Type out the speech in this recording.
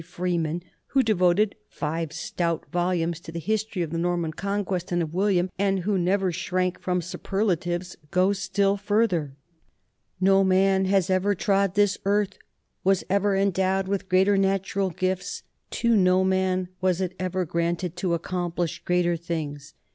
Freeman, who devoted five stout volumes to the hif.tory of the Norman Conquest and of William, and who n^ver shrank from superlatives, goes still further: 54 NORMANS IN EUROPEAN HISTORY No man that ever trod this earth was ever endowed with greater natural gifts; to no man was it ever granted to ac complish greater things.